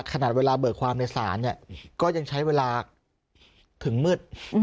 ขนาดเวลาเบิกความในศาลเนี่ยก็ยังใช้เวลาถึงมืด